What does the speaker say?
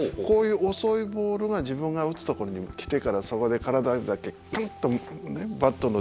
こういう遅いボールが自分が打つところに来てからそこで体だけガンとねっ。